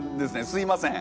すいません。